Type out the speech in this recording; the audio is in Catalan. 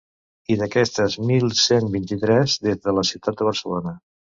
I d’aquestes, mil cent vint-i-tres des de la ciutat de Barcelona.